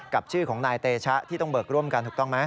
ชื่อของนายเตชะที่ต้องเบิกร่วมกันถูกต้องไหม